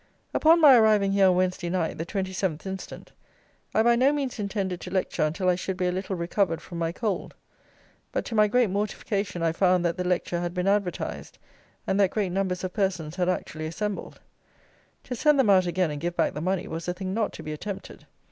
Upon my arriving here on Wednesday night, the 27th instant, I by no means intended to lecture until I should be a little recovered from my cold; but, to my great mortification, I found that the lecture had been advertised, and that great numbers of persons had actually assembled. To send them out again, and give back the money, was a thing not to be attempted.